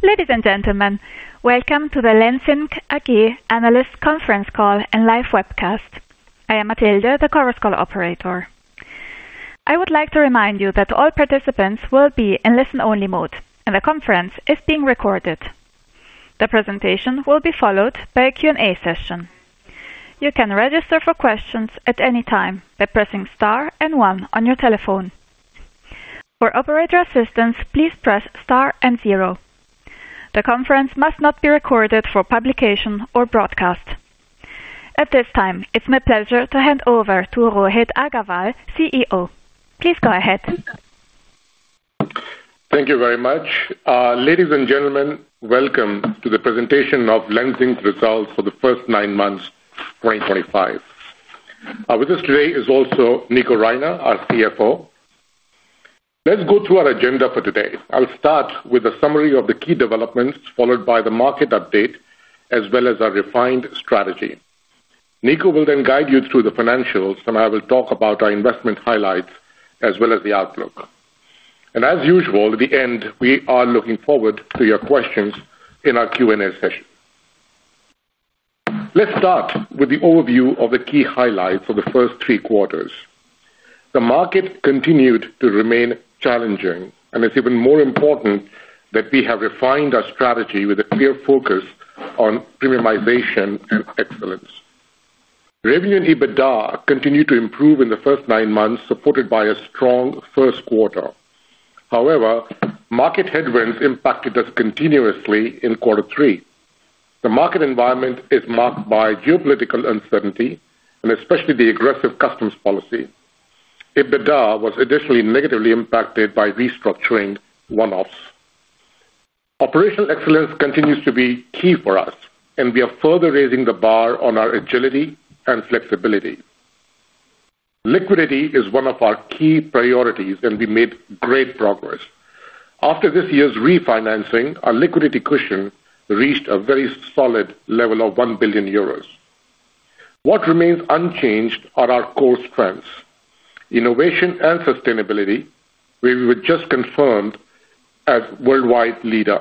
Ladies and gentlemen, welcome to the Lenzing AG Analysts Conference Call and Live Webcast. I am Matilda, the CorusCall operator. I would like to remind you that all participants will be in listen-only mode, and the conference is being recorded. The presentation will be followed by a Q&A session. You can register for questions at any time by pressing star and one on your telephone. For operator assistance, please press star and zero. The conference must not be recorded for publication or broadcast. At this time, it's my pleasure to hand over to Rohit Aggarwal, CEO. Please go ahead. Thank you very much. Ladies and gentlemen, welcome to the presentation of Lenzing's results for the first nine months of 2025. With us today is also Nico Reiner, our CFO. Let's go through our agenda for today. I'll start with a summary of the key developments, followed by the market update, as well as our refined strategy. Nico will then guide you through the financials, and I will talk about our investment highlights as well as the outlook. As usual, at the end, we are looking forward to your questions in our Q&A session. Let's start with the overview of the key highlights of the first three quarters. The market continued to remain challenging, and it's even more important that we have refined our strategy with a clear focus on premiumization and excellence. Revenue and EBITDA continued to improve in the first nine months, supported by a strong first quarter. However, market headwinds impacted us continuously in quarter three. The market environment is marked by geopolitical uncertainty, and especially the aggressive customs policy. EBITDA was additionally negatively impacted by restructuring one-offs. Operational excellence continues to be key for us, and we are further raising the bar on our agility and flexibility. Liquidity is one of our key priorities, and we made great progress. After this year's refinancing, our liquidity cushion reached a very solid level of 1 billion euros. What remains unchanged are our core strengths: innovation and sustainability, where we were just confirmed as worldwide leader.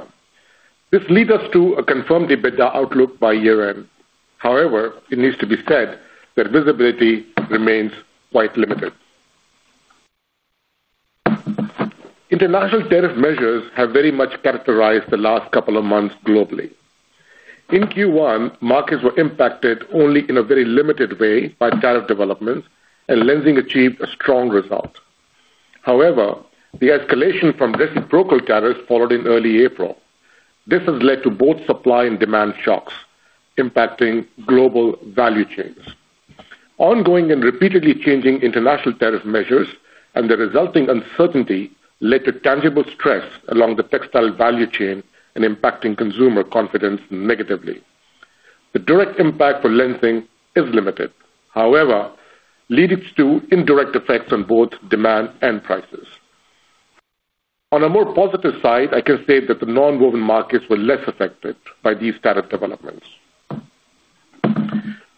This leads us to a confirmed EBITDA outlook by year-end. However, it needs to be said that visibility remains quite limited. International tariff measures have very much characterized the last couple of months globally. In Q1, markets were impacted only in a very limited way by tariff developments, and Lenzing achieved a strong result. However, the escalation from reciprocal tariffs followed in early April. This has led to both supply and demand shocks, impacting global value chains. Ongoing and repeatedly changing international tariff measures and the resulting uncertainty led to tangible stress along the textile value chain and impacting consumer confidence negatively. The direct impact for Lenzing is limited. However, it leads to indirect effects on both demand and prices. On a more positive side, I can say that the non-woven markets were less affected by these tariff developments.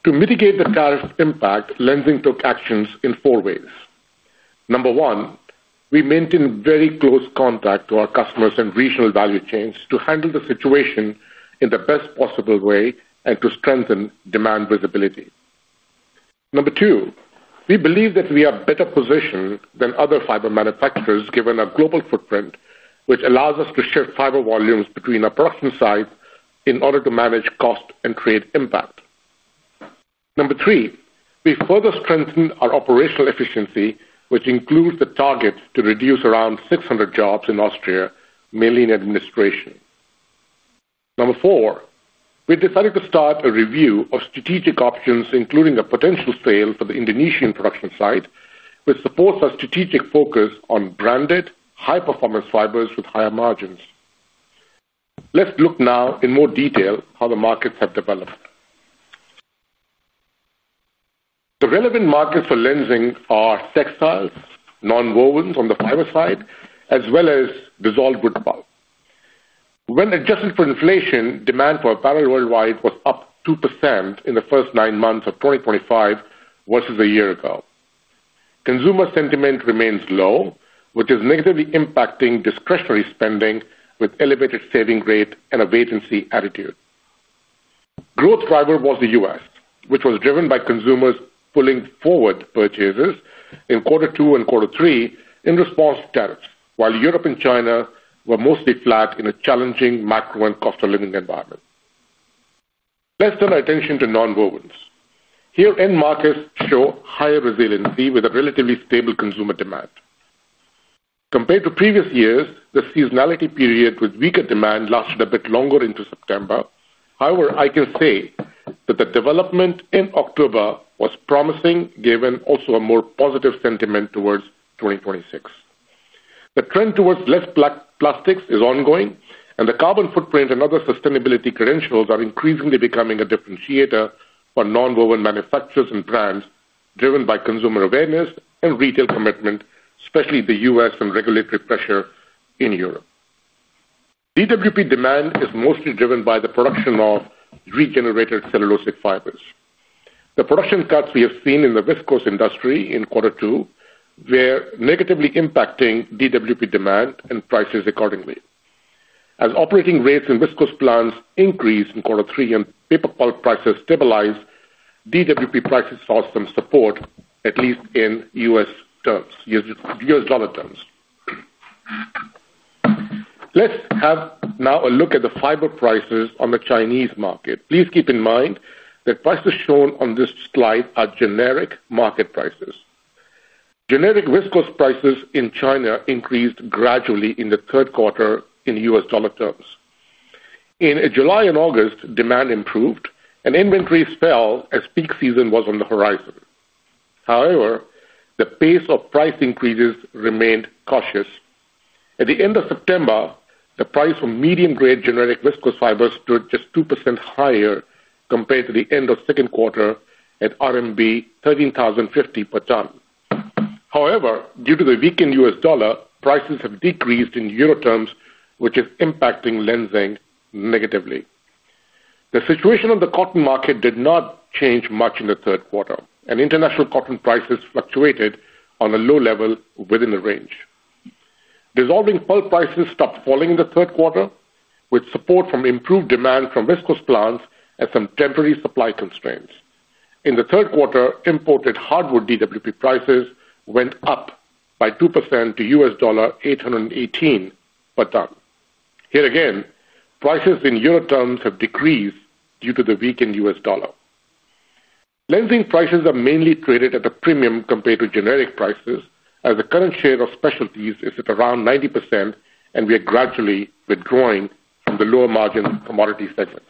To mitigate the tariff impact, Lenzing took actions in four ways. Number one, we maintain very close contact with our customers and regional value chains to handle the situation in the best possible way and to strengthen demand visibility. Number two, we believe that we are better positioned than other fiber manufacturers, given our global footprint, which allows us to shift fiber volumes between our production sites in order to manage cost and trade impact. Number three, we further strengthened our operational efficiency, which includes the target to reduce around 600 jobs in Austria, mainly in administration. Number four, we decided to start a review of strategic options, including a potential sale for the Indonesian production site, which supports our strategic focus on branded, high-performance fibers with higher margins. Let's look now in more detail at how the markets have developed. The relevant markets for Lenzing are textiles, non-wovens on the fiber side, as well as dissolved wood pulp. When adjusted for inflation, demand for apparel worldwide was up 2% in the first nine months of 2025 versus a year ago. Consumer sentiment remains low, which is negatively impacting discretionary spending with an elevated saving rate and a vacancy attitude. Growth driver was the U.S., which was driven by consumers pulling forward purchases in quarter two and quarter three in response to tariffs, while Europe and China were mostly flat in a challenging macro and cost of living environment. Let's turn our attention to non-wovens. Here end markets show higher resiliency with a relatively stable consumer demand. Compared to previous years, the seasonality period with weaker demand lasted a bit longer into September. However, I can say that the development in October was promising, given also a more positive sentiment towards 2026. The trend towards less plastics is ongoing, and the carbon footprint and other sustainability credentials are increasingly becoming a differentiator for non-woven manufacturers and brands, driven by consumer awareness and retail commitment, especially the U.S. and regulatory pressure in Europe. DWP demand is mostly driven by the production of regenerated cellulosic fibers. The production cuts we have seen in the viscose industry in quarter two were negatively impacting DWP demand and prices accordingly. As operating rates in viscose plants increased in quarter three and paper pulp prices stabilized, DWP prices saw some support, at least in U.S. dollar terms. Let's have now a look at the fiber prices on the Chinese market. Please keep in mind that prices shown on this slide are generic market prices. Generic viscose prices in China increased gradually in the third quarter in U.S. dollar terms. In July and August, demand improved, and inventories fell as peak season was on the horizon. However, the pace of price increases remained cautious. At the end of September, the price for medium-grade generic viscose fibers stood just 2% higher compared to the end of the second quarter at RMB 13,050 per ton. However, due to the weakened U.S. dollar, prices have decreased in euro terms, which is impacting Lenzing negatively. The situation on the cotton market did not change much in the third quarter, and international cotton prices fluctuated on a low level within the range. Dissolving pulp prices stopped falling in the third quarter, with support from improved demand from viscose plants and some temporary supply constraints. In the third quarter, imported hardwood DWP prices went up by 2% to $818 per ton. Here again, prices in euro terms have decreased due to the weakened U.S. dollar. Lenzing prices are mainly traded at a premium compared to generic prices, as the current share of specialties is at around 90%, and we are gradually withdrawing from the lower margin commodity segments.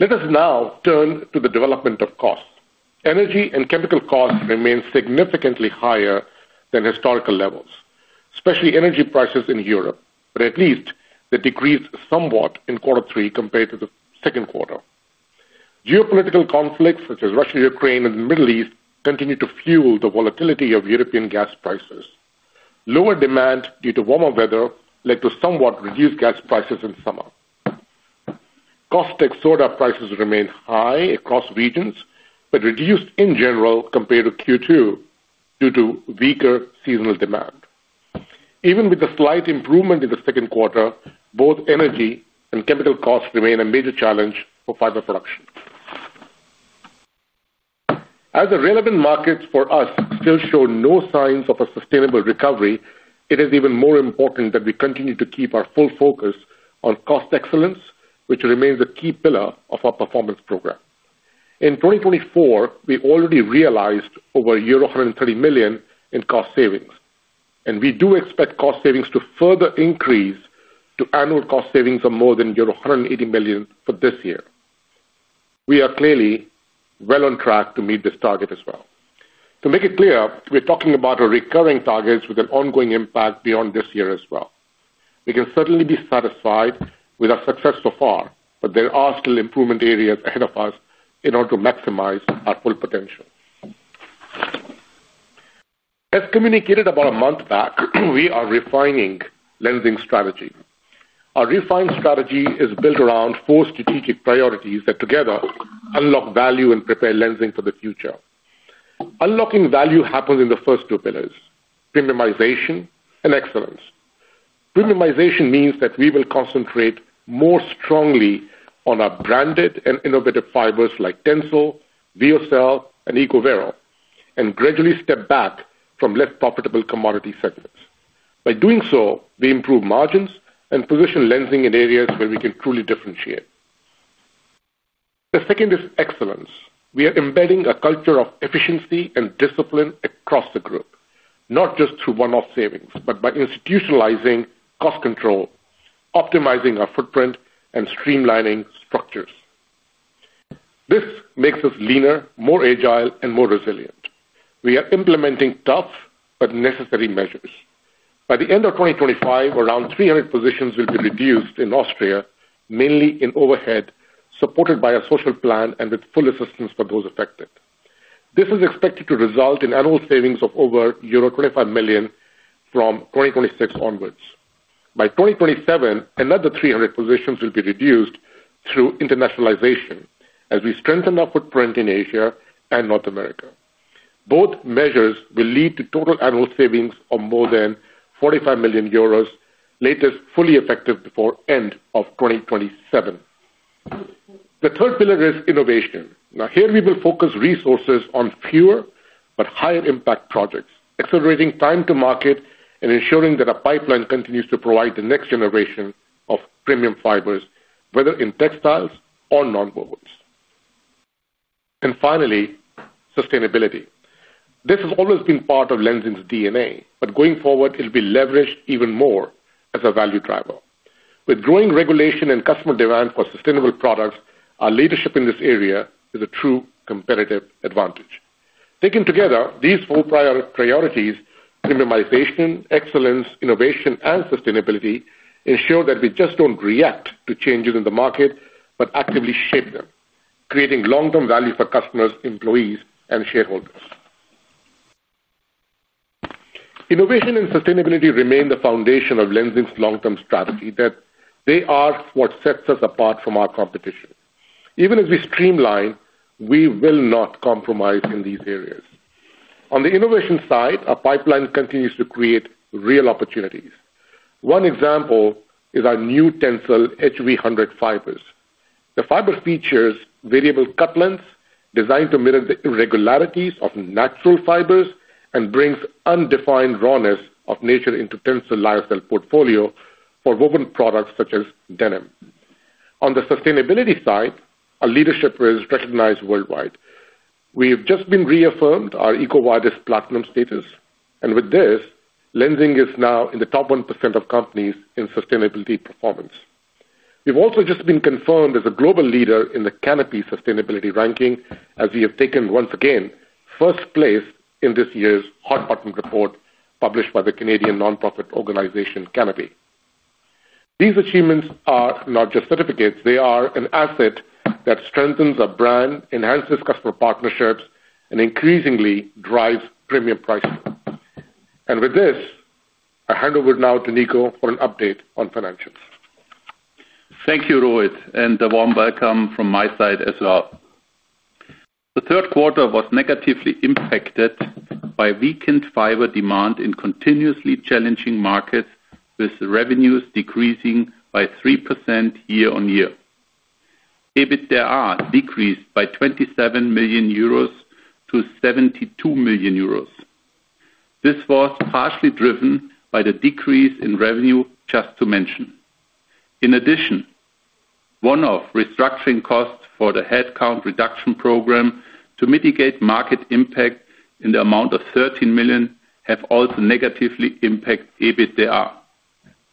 Let us now turn to the development of costs. Energy and chemical costs remain significantly higher than historical levels, especially energy prices in Europe, but at least they decreased somewhat in quarter three compared to the second quarter. Geopolitical conflicts such as Russia, Ukraine, and the Middle East continue to fuel the volatility of European gas prices. Lower demand due to warmer weather led to somewhat reduced gas prices in summer. [Cost ex] sort of prices remain high across regions, but reduced in general compared to Q2 due to weaker seasonal demand. Even with the slight improvement in the second quarter, both energy and chemical costs remain a major challenge for fiber production. As the relevant markets for us still show no signs of a sustainable recovery, it is even more important that we continue to keep our full focus on cost excellence, which remains a key pillar of our performance program. In 2024, we already realized over euro 130 million in cost savings, and we do expect cost savings to further increase to annual cost savings of more than 180 million for this year. We are clearly well on track to meet this target as well. To make it clear, we're talking about recurring targets with an ongoing impact beyond this year as well. We can certainly be satisfied with our success so far, but there are still improvement areas ahead of us in order to maximize our full potential. As communicated about a month back, we are refining Lenzing's strategy. Our refined strategy is built around four strategic priorities that together unlock value and prepare Lenzing for the future. Unlocking value happens in the first two pillars: premiumization and excellence. Premiumization means that we will concentrate more strongly on our branded and innovative fibers like TENCEL, VEOCEL, and ECOVERO, and gradually step back from less profitable commodity segments. By doing so, we improve margins and position Lenzing in areas where we can truly differentiate. The second is excellence. We are embedding a culture of efficiency and discipline across the group, not just through one-off savings, but by institutionalizing cost control, optimizing our footprint, and streamlining structures. This makes us leaner, more agile, and more resilient. We are implementing tough but necessary measures. By the end of 2025, around 300 positions will be reduced in Austria, mainly in overhead, supported by a social plan and with full assistance for those affected. This is expected to result in annual savings of over euro 25 million from 2026 onwards. By 2027, another 300 positions will be reduced through internationalization as we strengthen our footprint in Asia and North America. Both measures will lead to total annual savings of more than 45 million euros, latest fully effective before the end of 2027. The third pillar is innovation. Here we will focus resources on fewer but higher impact projects, accelerating time to market and ensuring that our pipeline continues to provide the next generation of premium fibers, whether in textiles or non-wovens. Finally, sustainability. This has always been part of Lenzing's DNA, but going forward, it will be leveraged even more as a value driver. With growing regulation and customer demand for sustainable products, our leadership in this area is a true competitive advantage. Taken together, these four priorities—premiumization, excellence, innovation, and sustainability—ensure that we just do not react to changes in the market but actively shape them, creating long-term value for customers, employees, and shareholders. Innovation and sustainability remain the foundation of Lenzing's long-term strategy, that they are what sets us apart from our competition. Even as we streamline, we will not compromise in these areas. On the innovation side, our pipeline continues to create real opportunities. One example is our new TENCEL HV100 fibers. The fiber features variable cut lengths designed to mirror the irregularities of natural fibers and brings undefined rawness of nature into TENCEL Lyocell portfolio for woven products such as denim. On the sustainability side, our leadership is recognized worldwide. We have just been reaffirmed our EcoVadis Platinum status, and with this, Lenzing is now in the top 1% of companies in sustainability performance. We've also just been confirmed as a global leader in the Canopy sustainability ranking, as we have taken once again first place in this year's hot-button report published by the Canadian nonprofit organization Canopy. These achievements are not just certificates; they are an asset that strengthens our brand, enhances customer partnerships, and increasingly drives premium pricing. With this, I hand over now to Nico for an update on financials. Thank you, Rohit, and a warm welcome from my side as well. The third quarter was negatively impacted by weakened fiber demand in continuously challenging markets, with revenues decreasing by 3% year on year. EBITDA decreased by 27 million euros to 72 million euros. This was partially driven by the decrease in revenue, just to mention. In addition, one-off restructuring costs for the headcount reduction program to mitigate market impact in the amount of 13 million have also negatively impacted EBITDA.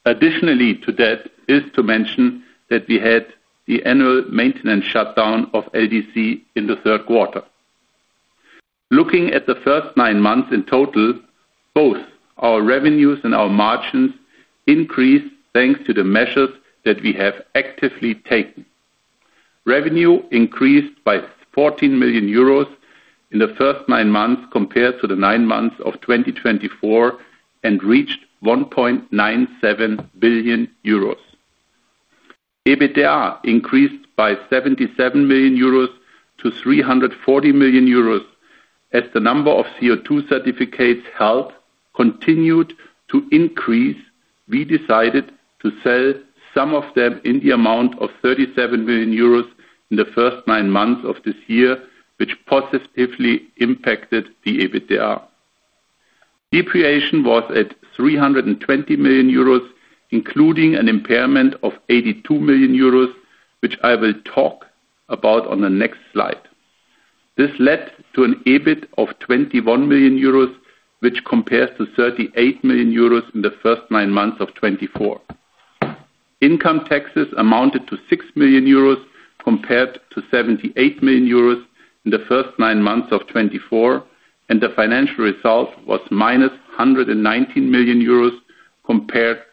Additionally to that is to mention that we had the annual maintenance shutdown of LDC in the third quarter. Looking at the first nine months in total, both our revenues and our margins increased thanks to the measures that we have actively taken. Revenue increased by 14 million euros in the first nine months compared to the nine months of 2024 and reached 1.97 billion euros. EBITDA increased by 77 million euros to 340 million euros. As the number of CO2 certificates held continued to increase, we decided to sell some of them in the amount of 37 million euros in the first nine months of this year, which positively impacted the EBITDA. Depreciation was at 320 million euros, including an impairment of 82 million euros, which I will talk about on the next slide. This led to an EBIT of 21 million euros, which compares to 38 million euros in the first nine months of 2024. Income taxes amounted to 6 million euros compared to 78 million euros in the first nine months of 2024, and the financial result was 119 million euros compared to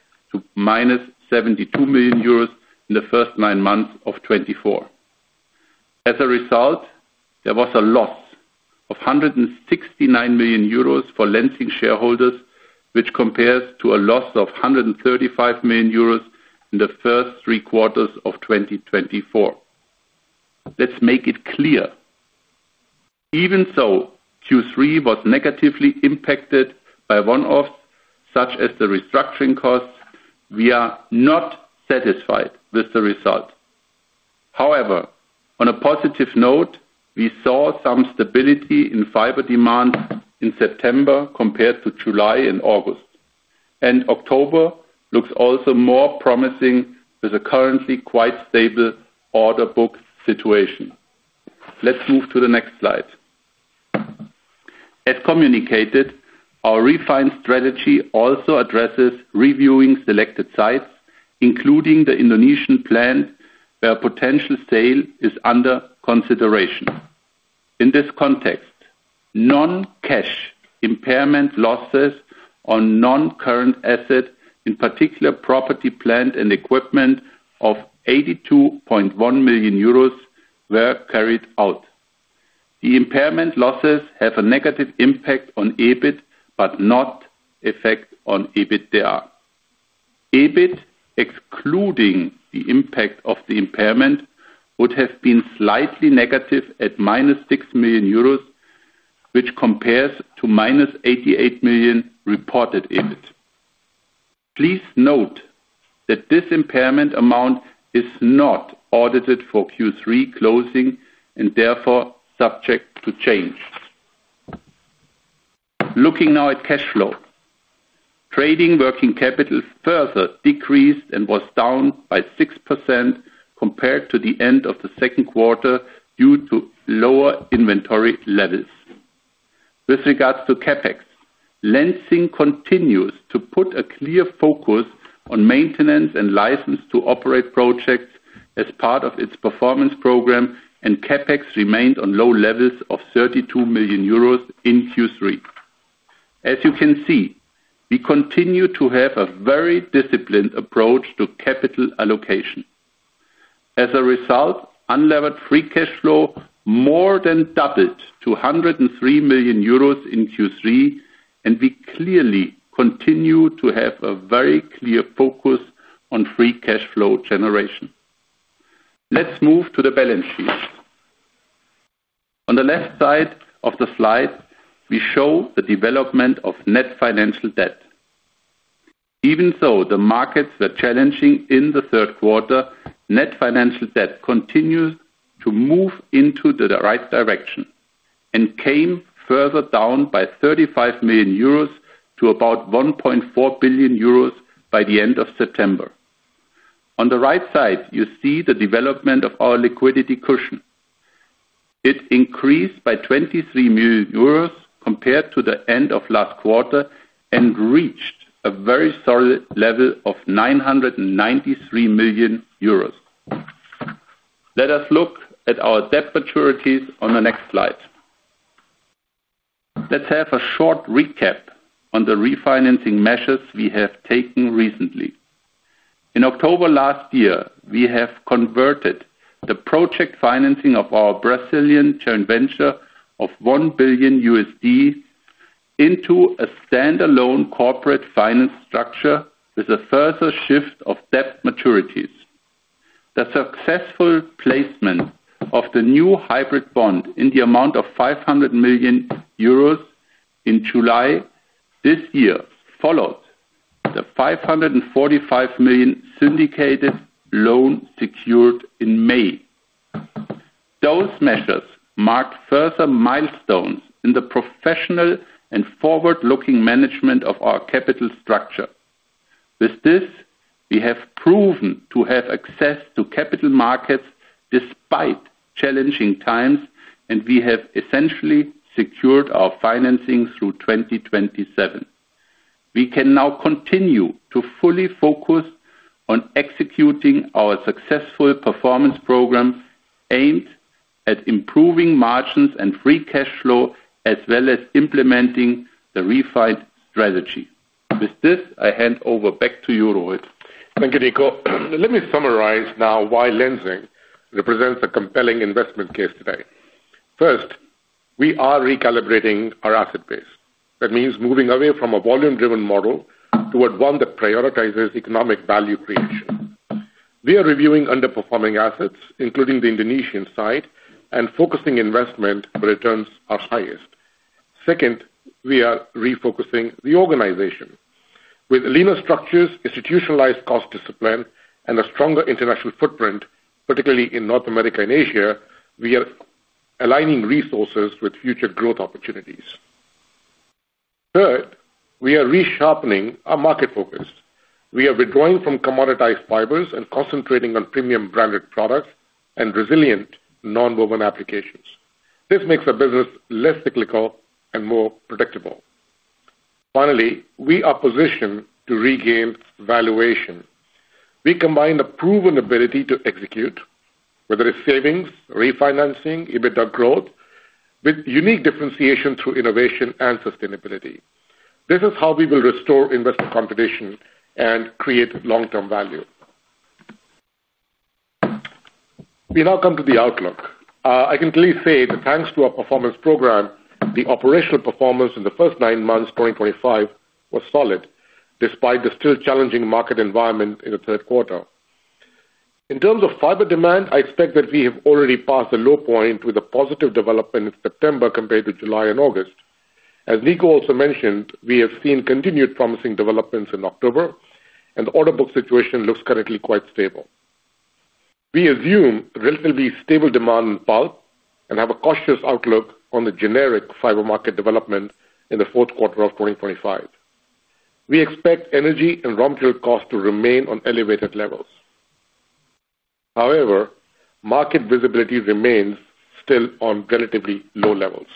72 million euros in the first nine months of 2024. As a result, there was a loss of 169 million euros for Lenzing shareholders, which compares to a loss of 135 million euros in the first three quarters of 2024. Let's make it clear. Even though Q3 was negatively impacted by one-offs such as the restructuring costs, we are not satisfied with the result. However, on a positive note, we saw some stability in fiber demand in September compared to July and August, and October looks also more promising with a currently quite stable order book situation. Let's move to the next slide. As communicated, our refined strategy also addresses reviewing selected sites, including the Indonesian plant where a potential sale is under consideration. In this context, non-cash impairment losses on non-current assets, in particular property, plant, and equipment, of 82.1 million euros were carried out. The impairment losses have a negative impact on EBIT but not an effect on EBITDA. EBIT, excluding the impact of the impairment, would have been slightly negative at -6 million euros, which compares to 88 million reported EBIT. Please note that this impairment amount is not audited for Q3 closing and therefore subject to change. Looking now at cash flow. Trading working capital further decreased and was down by 6% compared to the end of the second quarter due to lower inventory levels. With regards to CapEx, Lenzing continues to put a clear focus on maintenance and license to operate projects as part of its performance program, and CapEx remained on low levels of 32 million euros in Q3. As you can see, we continue to have a very disciplined approach to capital allocation. As a result, unlevered free cash flow more than doubled to 103 million euros in Q3, and we clearly continue to have a very clear focus on free cash flow generation. Let's move to the balance sheet. On the left side of the slide, we show the development of net financial debt. Even though the markets were challenging in the third quarter, net financial debt continued to move into the right direction. It came further down by 35 million euros to about 1.4 billion euros by the end of September. On the right side, you see the development of our liquidity cushion. It increased by 23 million euros compared to the end of last quarter and reached a very solid level of 993 million euros. Let us look at our debt maturities on the next slide. Let's have a short recap on the refinancing measures we have taken recently. In October last year, we have converted the project financing of our Brazilian joint venture of $1 billion into a standalone corporate finance structure with a further shift of debt maturities. The successful placement of the new hybrid bond in the amount of 500 million euros in July this year followed the 545 million syndicated loan secured in May. Those measures marked further milestones in the professional and forward-looking management of our capital structure. With this, we have proven to have access to capital markets despite challenging times, and we have essentially secured our financing through 2027. We can now continue to fully focus on executing our successful performance program aimed at improving margins and free cash flow, as well as implementing the refined strategy. With this, I hand over back to you, Rohit. Thank you, Nico. Let me summarize now why Lenzing represents a compelling investment case today. First, we are recalibrating our asset base. That means moving away from a volume-driven model toward one that prioritizes economic value creation. We are reviewing underperforming assets, including the Indonesian site, and focusing investment where returns are highest. Second, we are refocusing the organization. With leaner structures, institutionalized cost discipline, and a stronger international footprint, particularly in North America and Asia, we are aligning resources with future growth opportunities. Third, we are resharpening our market focus. We are withdrawing from commoditized fibers and concentrating on premium-branded products and resilient non-woven applications. This makes our business less cyclical and more predictable. Finally, we are positioned to regain valuation. We combine the proven ability to execute, whether it's savings, refinancing, EBITDA growth, with unique differentiation through innovation and sustainability. This is how we will restore investor competition and create long-term value. We now come to the outlook. I can clearly say that thanks to our performance program, the operational performance in the first nine months of 2025 was solid despite the still challenging market environment in the third quarter. In terms of fiber demand, I expect that we have already passed the low point with a positive development in September compared to July and August. As Nico also mentioned, we have seen continued promising developments in October, and the order book situation looks currently quite stable. We assume relatively stable demand in bulk and have a cautious outlook on the generic fiber market development in the fourth quarter of 2025. We expect energy and raw material costs to remain on elevated levels. However, market visibility remains still on relatively low levels.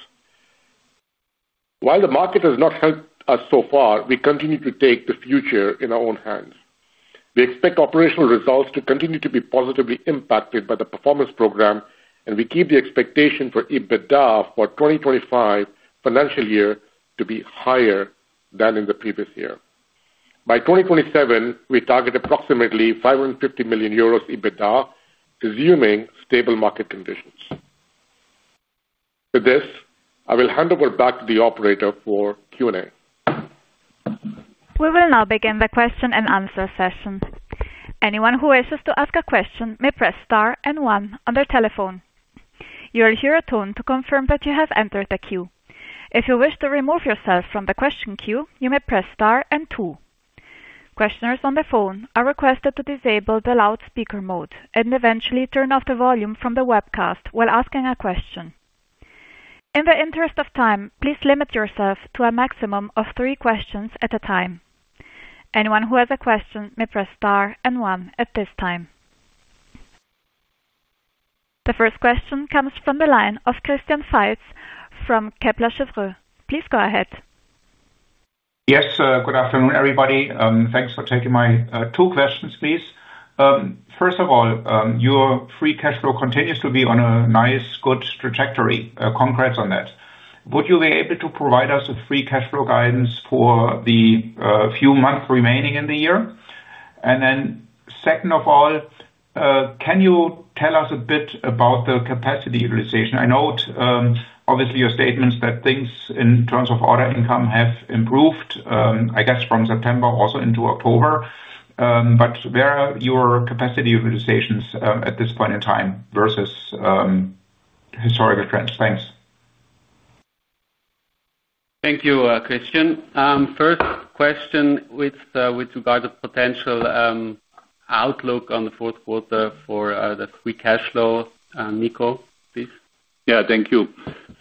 While the market has not helped us so far, we continue to take the future in our own hands. We expect operational results to continue to be positively impacted by the performance program, and we keep the expectation for EBITDA for the 2025 financial year to be higher than in the previous year. By 2027, we target approximately 550 million euros EBITDA, assuming stable market conditions. With this, I will hand over back to the operator for Q&A. We will now begin the question and answer session. Anyone who wishes to ask a question may press star and one on their telephone. You will hear a tone to confirm that you have entered the queue. If you wish to remove yourself from the question queue, you may press star and two. Questioners on the phone are requested to disable the loudspeaker mode and eventually turn off the volume from the webcast while asking a question. In the interest of time, please limit yourself to a maximum of three questions at a time. Anyone who has a question may press star and one at this time. The first question comes from the line of Christian Faitz from Kepler Cheuvreux. Please go ahead. Yes, good afternoon, everybody. Thanks for taking my two questions, please. First of all, your free cash flow continues to be on a nice, good trajectory. Congrats on that. Would you be able to provide us with free cash flow guidance for the few months remaining in the year? Then, second of all, can you tell us a bit about the capacity utilization? I note, obviously, your statements that things in terms of order income have improved, I guess, from September also into October. Where are your capacity utilizations at this point in time versus historical trends? Thanks. Thank you, Christian. First question with regard to potential outlook on the fourth quarter for the free cash flow. Nico, please. Yeah, thank you.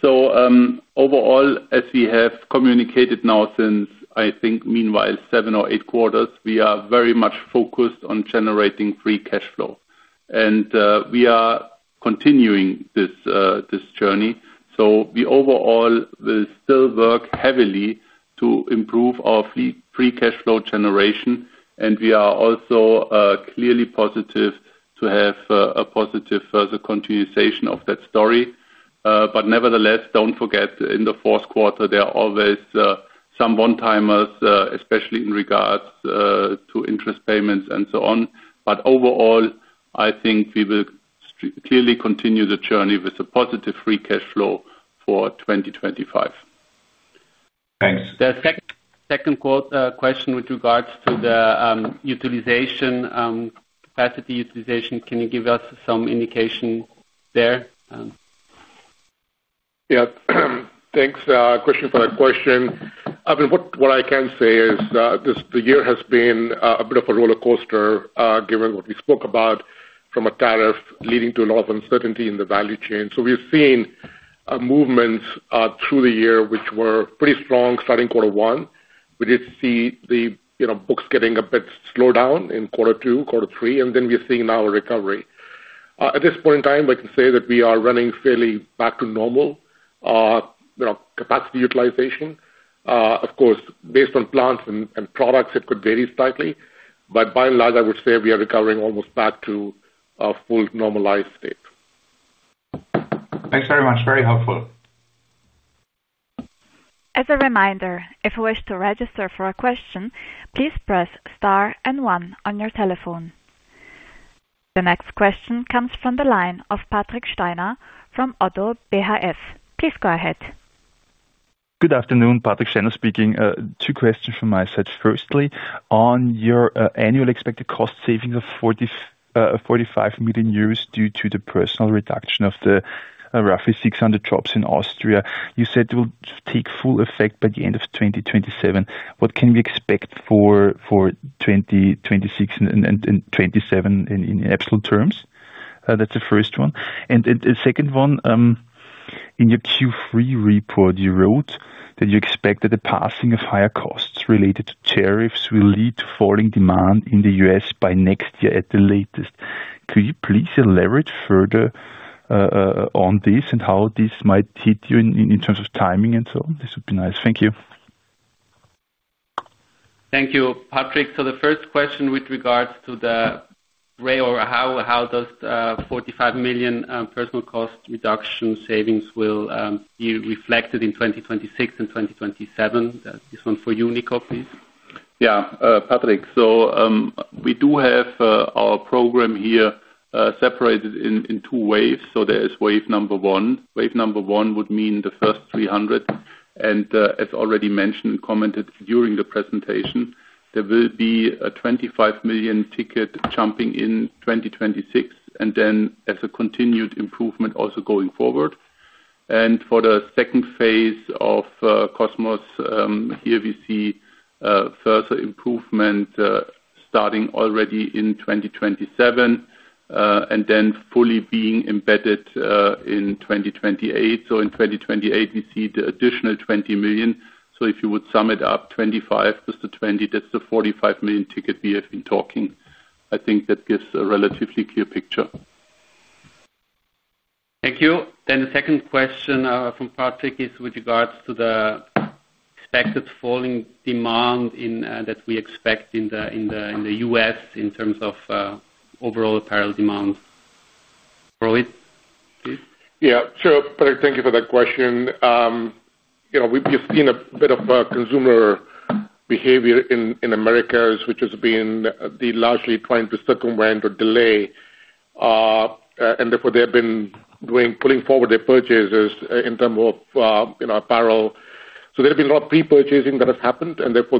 Overall, as we have communicated now since, I think, meanwhile, seven or eight quarters, we are very much focused on generating free cash flow. We are continuing this journey. We overall will still work heavily to improve our free cash flow generation. We are also clearly positive to have a positive further continuization of that story. Nevertheless, do not forget, in the fourth quarter, there are always some one-timers, especially in regards to interest payments and so on. Overall, I think we will clearly continue the journey with a positive free cash flow for 2025. Thanks. The second question with regards to the capacity utilization, can you give us some indication there? Yeah. Thanks, Christian, for that question. I mean, what I can say is the year has been a bit of a roller coaster, given what we spoke about from a tariff leading to a lot of uncertainty in the value chain. We have seen movements through the year which were pretty strong starting quarter one. We did see the books getting a bit slowed down in quarter two, quarter three, and then we are seeing now a recovery. At this point in time, I can say that we are running fairly back to normal capacity utilization. Of course, based on plants and products, it could vary slightly. By and large, I would say we are recovering almost back to a full normalized state. Thanks very much. Very helpful. As a reminder, if you wish to register for a question, please press star and one on your telephone. The next question comes from the line of Patrick Steiner from ODDO BHF. Please go ahead. Good afternoon, Patrick Steiner speaking. Two questions from my side. Firstly, on your annual expected cost savings of 45 million euros due to the personnel reduction of the roughly 600 jobs in Austria, you said it will take full effect by the end of 2027. What can we expect for 2026 and 2027 in absolute terms? That is the first one. And the second one. In your Q3 report, you wrote that you expect that the passing of higher costs related to tariffs will lead to falling demand in the U.S. by next year at the latest. Could you please elaborate further on this and how this might hit you in terms of timing and so on? This would be nice. Thank you. Thank you, Patrick. The first question with regards to the rate or how does the 45 million personnel cost reduction savings will be reflected in 2026 and 2027? This one for you, Nico, please. Yeah, Patrick. We do have our program here separated in two waves. There is wave number one. Wave number one would mean the first 300. As already mentioned and commented during the presentation, there will be a 25 million ticket jumping in 2026 and then as a continued improvement also going forward. For the second phase of Kosmos, here we see further improvement starting already in 2027 and then fully being embedded in 2028. In 2028, we see the additional 20 million. If you sum it up, 25 million plus the 20 million, that is the 45 million ticket we have been talking. I think that gives a relatively clear picture. Thank you. The second question from Patrick is with regards to the expected falling demand that we expect in the U.S. in terms of overall apparel demand. Rohit, please. Yeah, sure. Thank you for that question. We have seen a bit of consumer behavior in America, which has been largely trying to circumvent or delay, and therefore, they have been pulling forward their purchases in terms of apparel. There have been a lot of pre-purchasing that has happened, and therefore,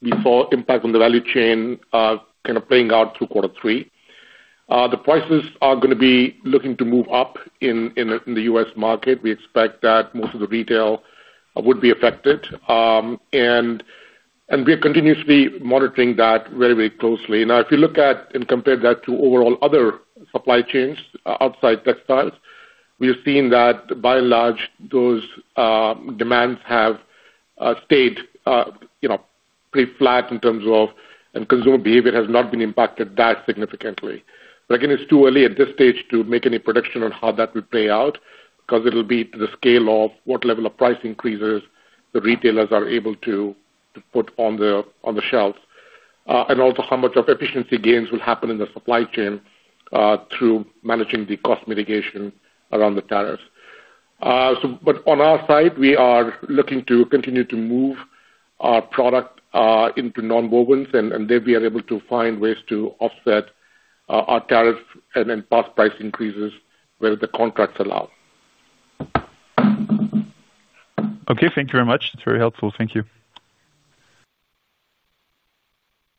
we saw impact on the value chain kind of playing out through quarter three. The prices are going to be looking to move up in the U.S. market. We expect that most of the retail would be affected. We are continuously monitoring that very, very closely. Now, if you look at and compare that to overall other supply chains outside textiles, we have seen that by and large, those demands have stayed pretty flat in terms of, and consumer behavior has not been impacted that significantly. Again, it's too early at this stage to make any prediction on how that will play out because it'll be to the scale of what level of price increases the retailers are able to put on the shelves. How much of efficiency gains will happen in the supply chain through managing the cost mitigation around the tariffs? On our side, we are looking to continue to move our product into non-wovens, and then we are able to find ways to offset our tariff and past price increases where the contracts allow. Thank you very much. It is very helpful. Thank you.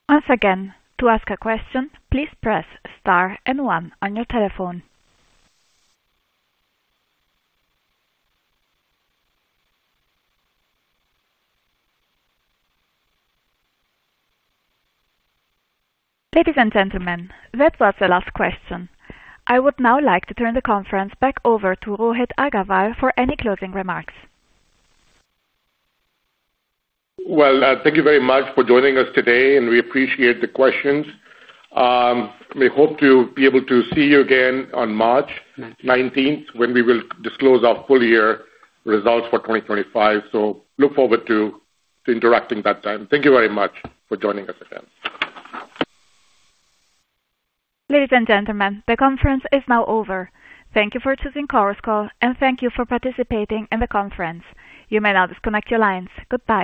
Once again, to ask a question, please press star and one on your telephone. Ladies and gentlemen, that was the last question. I would now like to turn the conference back over to Rohit Aggarwal for any closing remarks. Thank you very much for joining us today, and we appreciate the questions. We hope to be able to see you again on March 19 when we will disclose our full year results for 2025. We look forward to interacting at that time. Thank you very much for joining us again. Ladies and gentlemen, the conference is now over. Thank you for choosing CorusCall, and thank you for participating in the conference. You may now disconnect your lines. Goodbye.